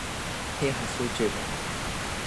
He had three children.